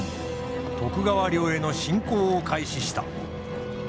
徳川領への侵攻を開始した。